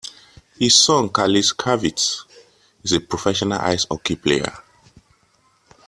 His son, Kārlis Kalvītis, is a professional ice hockey player.